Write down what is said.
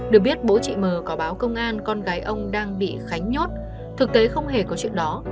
được biết bố chị m có báo công an con gái ông đang bị khánh nhốt thực tế không hề có chuyện đó